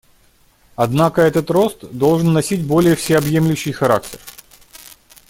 Однако этот рост должен носить более всеобъемлющий характер.